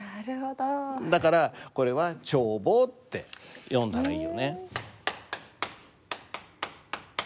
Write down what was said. だからこれは「ちょうぼう」って読んだらいいよね。